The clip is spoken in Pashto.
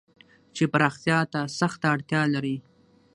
چې پراختيا ته سخته اړتيا لري.